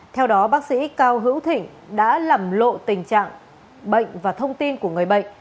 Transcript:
theo đó bác sĩ cao hữu thịnh đã làm lộ tình trạng bệnh và thông tin của người bệnh